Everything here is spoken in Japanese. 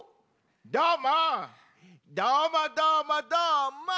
どーもどーもどーもどーも。